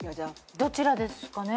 どちらですかね。